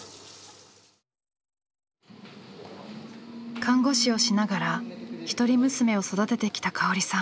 看護師をしながら一人娘を育ててきた香織さん。